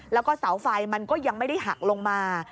แล้วก็เสาไฟมันก็ยังไม่ได้หักลงมา